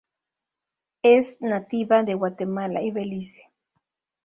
Es nativa de Guatemala y Belice.